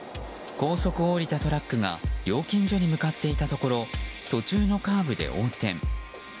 高速を降りたトラックが料金所に向かっていたところ途中のカーブで横転。